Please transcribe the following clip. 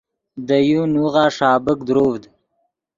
دے یو نوغہ ݰابیک دروڤد